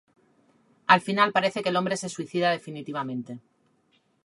Al final, parece que el hombre se suicida definitivamente.